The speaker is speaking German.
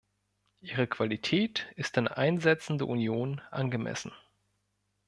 Ihre Qualität ist den Einsätzen der Union angemessen.